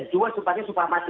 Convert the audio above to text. negara harus mengalahkan ormas